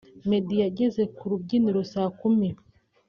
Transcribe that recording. Meddy yageze ku rubyiniro saa kumi